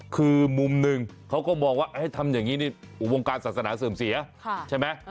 คือมุมหนึ่งเขาก็มองว่าให้ทำอย่างนี้นี่วงการศาสนาเสื่อมเสียใช่ไหม